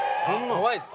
怖いっす。